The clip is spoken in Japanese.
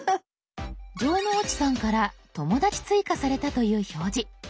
城之内さんから友だち追加されたという表示。